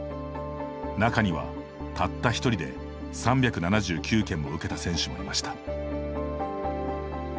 中には、たった１人で３７９件も受けた選手もいました。